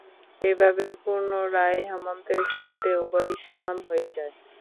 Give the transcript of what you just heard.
এভাবে পুনরায় হেমন্তের শুরুতে উভয়ই সমান হয়ে যায়।